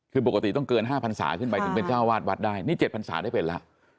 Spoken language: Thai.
คือปกติต้องเกิน๕พันศาขึ้นไปถึงเป็นเจ้าวาดวัดได้นี่๗พันศาได้เป็นแล้ว